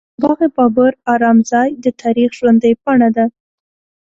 د باغ بابر ارام ځای د تاریخ ژوندۍ پاڼه ده.